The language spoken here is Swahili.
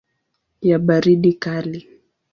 ya baridi kali.